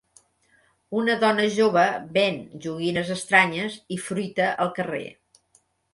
Una dona jove ven joguines estranyes i fruita al carrer.